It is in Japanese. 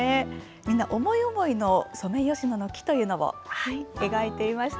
みんな思い思いのソメイヨシノの木というのを描いていました。